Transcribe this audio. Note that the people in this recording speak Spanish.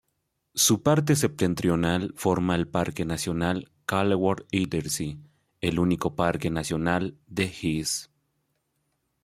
Su parte septentrional forma el parque nacional "Kellerwald-Edersee", el único parque nacional de Hesse.